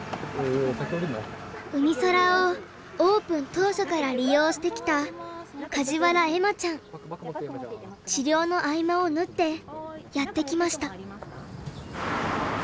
うみそらをオープン当初から利用してきた治療の合間を縫ってやって来ました。